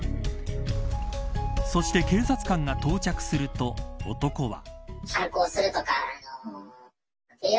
そして警察官が到着すると男は。